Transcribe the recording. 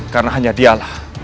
karena hanya dialah